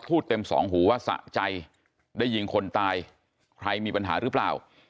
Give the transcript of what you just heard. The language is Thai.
เต็มสองหูว่าสะใจได้ยิงคนตายใครมีปัญหาหรือเปล่า